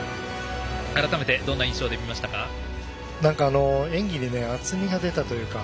改めてどんな印象で見ましたか？